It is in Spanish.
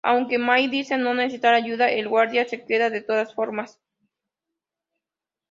Aunque Mai dice no necesitar ayuda, el guardia se queda de todas formas.